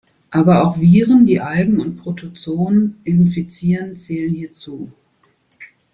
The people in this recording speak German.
Aber auch Viren, die Algen und Protozoen infizieren, zählen hierzu.